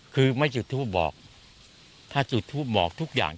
คือไม่จุดทูปบอกถ้าจุดทูปบอกทุกอย่าง